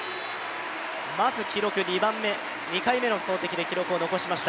まず２回目の投てきで記録を残しました。